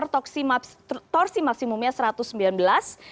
torsi maksimumnya satu ratus sembilan belas